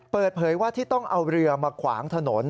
เปิดเผยว่าที่ต้องเอาเรือมาขวางถนน